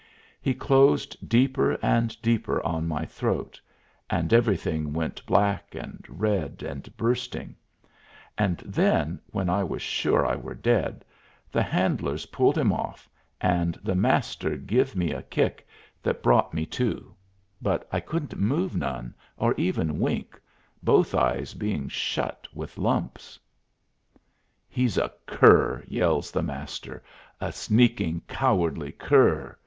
He closed deeper and deeper on my throat, and everything went black and red and bursting; and then, when I were sure I were dead, the handlers pulled him off, and the Master give me a kick that brought me to. But I couldn't move none, or even wink, both eyes being shut with lumps. "He's a cur!" yells the Master, "a sneaking, cowardly cur!